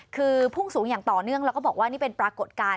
คือพุ่งสูงอย่างต่อเนื่องแล้วก็บอกว่านี่เป็นปรากฏการณ์